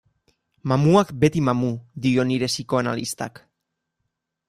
Mamuak beti mamu, dio nire psikoanalistak.